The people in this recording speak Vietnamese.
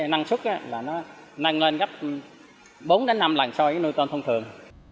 năng sức năng lên gấp bốn năm lạnh so với nuôi tôm thông thường